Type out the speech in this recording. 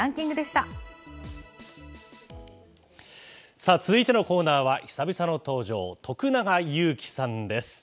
さあ、続いてのコーナーは久々の登場、徳永ゆうきさんです。